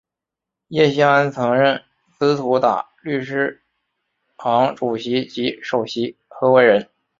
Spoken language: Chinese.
叶锡安曾任孖士打律师行主席及首席合夥人。